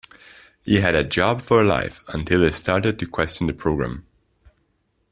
He had a job for life, until he started to question the programme